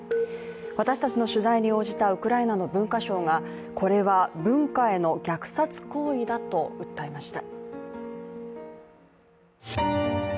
私たちの取材に応じたウクライナの文化相がこれは文化への虐殺行為だと訴えました。